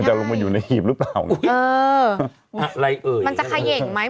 จะลงมาอยู่ในหีบหรือเปล่าเอออะไรเอ่ยมันจะเขย่งไหม